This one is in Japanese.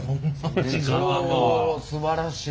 おすばらしい。